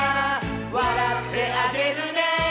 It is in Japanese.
「わらってあげるね」